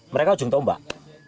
mereka ujung tombak